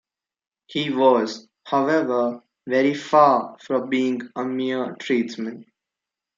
He was, however, very far from being a mere tradesman.